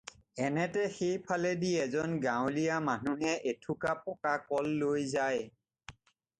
এনেতে সেই ফালেদি এজন গাঁৱলীয়া মানুহে এথোকা পকা কল লৈ যায়।